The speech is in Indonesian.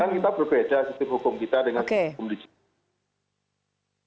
kan kita berbeda sistem hukum kita dengan sistem hukum digital